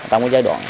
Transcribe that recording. tâm cái giai đoạn